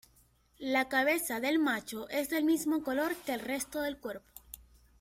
La cabeza del macho es del mismo color que el resto del cuerpo.